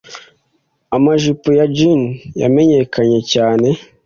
amajipo ya jeans yamenyekanye cyane